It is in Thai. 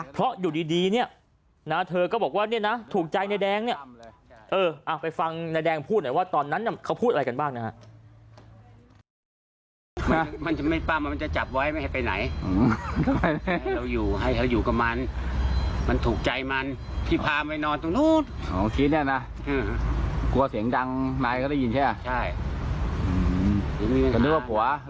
เพราะอยู่ดีเนี่ยนะเธอก็บอกว่าเนี่ยนะถูกใจนายแดงเนี่ยเออไปฟังนายแดงพูดหน่อยว่าตอนนั้นเขาพูดอะไรกันบ้างนะฮะ